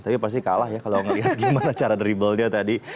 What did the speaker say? tapi pasti kalah ya kalau melihat gimana cara drible nya tadi